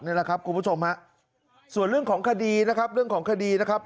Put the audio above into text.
นี้แหละครับคุณผู้ชมฮะส่วนเรื่องของคดีนะครับ